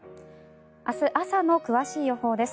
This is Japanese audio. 明日朝の詳しい予報です。